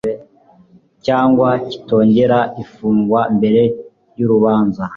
cyangwa kitongera ifungwa mbere y urubanza